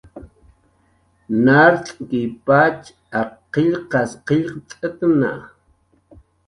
Nart'kipatx ak qillqas qillqt'atna